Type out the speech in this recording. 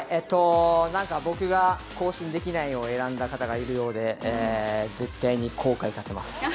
僕が更新できないを選んだ方がいるようで絶対に後悔させます。